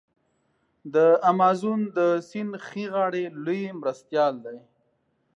د امازون د سیند ښي غاړی لوی مرستیال دی.